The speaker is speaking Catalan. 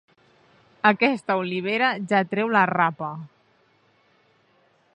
Aquesta olivera ja treu la rapa.